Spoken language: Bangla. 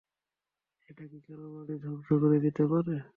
এটা কি কারো বাড়ি ধ্বংস করে দিতে পারে?